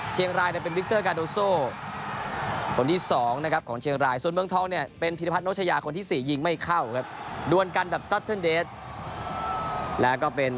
เชียงรายเนี่ยเป็นวิกเตอร์กาโดโซ